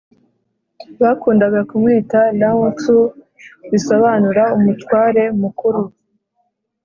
bakundaga kumwita lao-tzu, bisobanura “umutware mukuru”